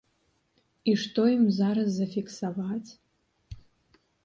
І што ім зараз зафіксаваць?